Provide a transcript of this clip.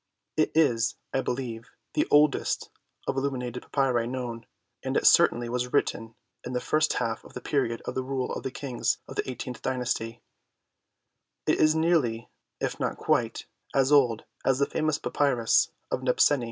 It is, I be lieve, the oldest of illuminated papyri known, and it certainly was written in the first half of the period of the rule of the kings of the eighteenth dynasty ; it is nearly, if not quite, as old as the famous papyrus of Nebseni.